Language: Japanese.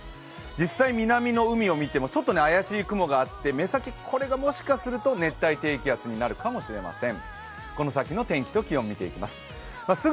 実際南の海をみても怪しい雲があって目先、これがもしかすると熱帯低気圧になるかもしれません。